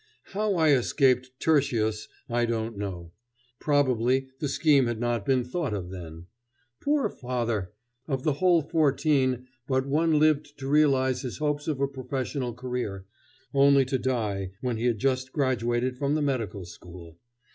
How I escaped Tertius I don't know. Probably the scheme had not been thought of then. Poor father! Of the whole fourteen but one lived to realize his hopes of a professional career, only to die when he had just graduated from the medical school.